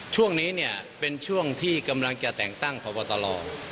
ช่วงนี้เนี่ยเป็นช่วงที่กำลังจะแต่งตั้งพบตร